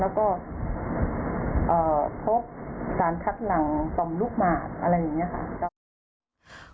แล้วก็เอ่อพกสารชัดหนังส่อมลูกหมาต์อะไรอย่างเงี้ยค่ะ